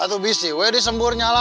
itu bisa di sembur nyala